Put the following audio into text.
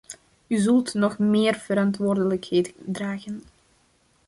U zult nog meer verantwoordelijkheid dragen.